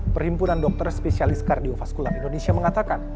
perhimpunan dokter spesialis kardiofaskular indonesia mengatakan